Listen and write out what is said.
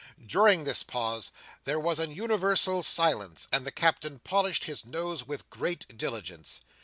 During this pause, there was an universal silence, and the Captain polished his nose with great diligence.